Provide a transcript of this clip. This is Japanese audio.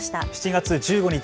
７月１５日